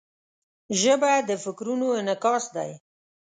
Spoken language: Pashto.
ژبه د فکرونو انعکاس دی